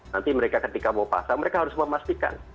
nanti mereka ketika mau pasang mereka harus memastikan